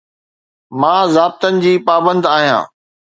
مان ضابطن جي پابند آهيان